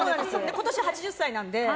今年８０歳なので。